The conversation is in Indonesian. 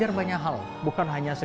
ikut dengan pengulangan jari